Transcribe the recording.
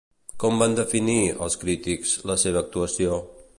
Com van definir, els crítics, la seva actuació?